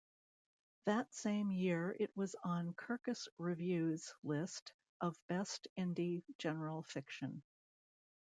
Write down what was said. That same year it was on Kirkus Review's list of "Best Indie General Fiction".